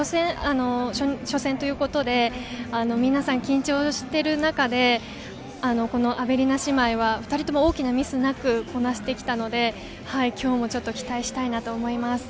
初戦ということで皆さん緊張している中で、アベリナ姉妹は２人とも大きなミスなくこなしてきたので、今日も期待したいなと思います。